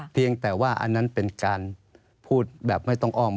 เพียงแต่ว่าอันนั้นเป็นการพูดแบบไม่ต้องอ้อม